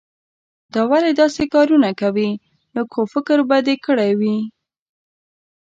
دا ولې داسې کارونه کوې؟ لږ خو فکر به دې کړای وو.